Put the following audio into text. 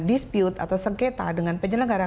dispute atau sengketa dengan penyelenggara